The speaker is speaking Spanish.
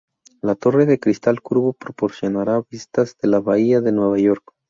La torre de cristal curvo proporcionará vistas de la bahía de Nueva York.